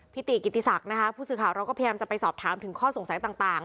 ติกิติศักดิ์นะคะผู้สื่อข่าวเราก็พยายามจะไปสอบถามถึงข้อสงสัยต่าง